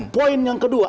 poin yang kedua